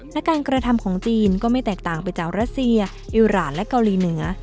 และการกระทำของจีนก็ไม่แตกต่างไปจากรัสเซียอิราณและเกาหลีเหนือ